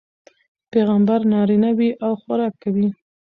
پيغمبر نارينه وي او خوراک کوي